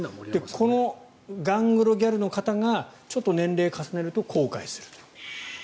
このガングロギャルの方がちょっと年齢を重ねると後悔する。